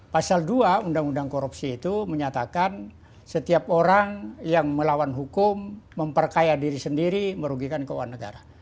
pasal dua undang undang korupsi itu menyatakan setiap orang yang melawan hukum memperkaya diri sendiri merugikan keuangan negara